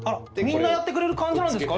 みんなやってくれる感じなんですか？